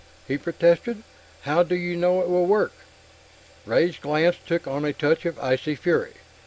he protested. "How do you know it will work?" Ray's glance took on a touch of icy fury.